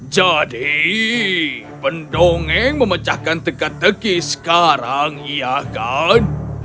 jadi pendongeng memecahkan tegak tegak sekarang iya kan